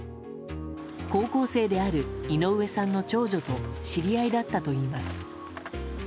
高校生である井上さんの長女と知り合いだったといいます。